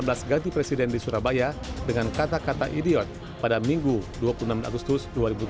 kasi dua ribu sembilan belas ganti presiden di surabaya dengan kata kata idiot pada minggu dua puluh enam agustus dua ribu delapan belas